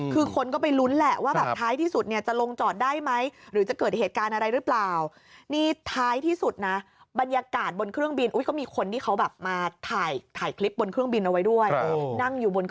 คือคนก็ไปลุ้นแหละว่าแบบท้ายที่สุดเนี่ยจะลงจอดได้ไหมหรือจะเกิดเหตุการณ์อะไรหรือเปล่า